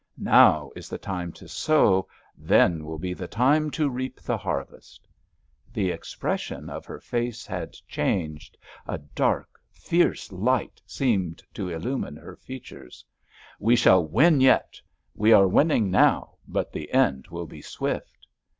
Now is the time to sow; then will be the time to reap the harvest!" The expression of her face had changed. A dark, fierce light seemed to illumine her features. "We shall win yet! We are winning now, but the end will be swift!"